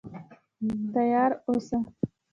تیار اوسه.